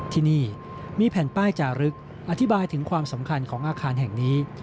ที่นี่มีแผ่นป้ายจารึกอธิบายถึงความสำคัญของอาคารแห่งนี้